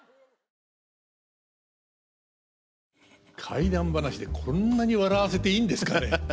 怪談話でこんなに笑わせていいんですかね。